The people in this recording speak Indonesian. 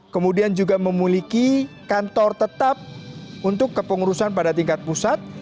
kemudian juga memiliki kantor tetap untuk kepengurusan pada tingkat pusat